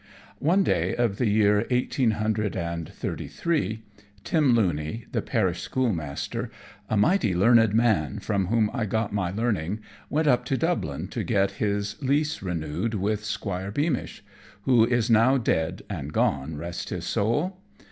One day of the year eighteen hundred and thirty three, Tim Looney, the parish schoolmaster, a mighty learned man, from whom I got my learning, went up to Dublin, to get his lease renewed with 'Squire Beamish, who is now dead and gone, rest his soul.